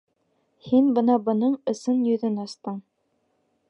Һин бына бының ысын йөҙөн астың!